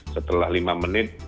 setelah lima menit